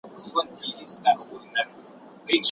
ښوونځی د کوچنیانو د شخصیت جوړونې اساس دی.